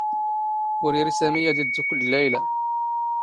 ⵓⵔ ⵉⵔⵉ ⵙⴰⵎⵉ ⴰⴷ ⵉⴷⴷⵓⴽⴽⵍ ⴷ ⵍⴰⵢⵍⴰ.